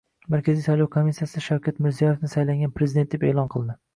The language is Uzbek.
Markaziy saylov komissiyasi Shavkat Mirziyoyevni saylangan prezident deb e’lon qildi